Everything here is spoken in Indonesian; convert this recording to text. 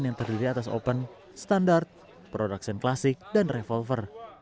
yang terdiri atas open standar production klasik dan revolver